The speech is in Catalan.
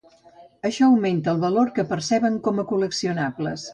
Això augmenta el valor que perceben com a col·leccionables.